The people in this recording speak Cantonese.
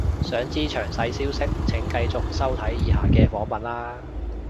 想知詳細消息請繼續收睇以下嘅訪問喇